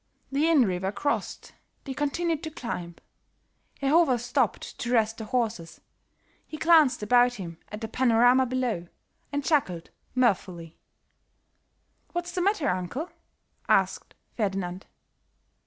The Inn River crossed, they continued to climb. Herr Hofer stopped to rest the horses; he glanced about him at the panorama below, and chuckled mirthfully. "What's the matter, uncle?" asked Ferdinand.